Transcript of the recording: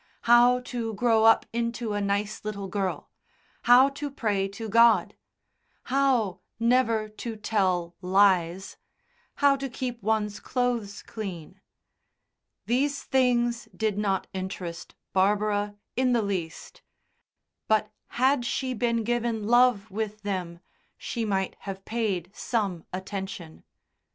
"How to grow up into a nice little girl," "How to pray to God," "How never to tell lies," "How to keep one's clothes clean," these things did not interest Barbara in the least; but had she been given love with them she might have paid some attention.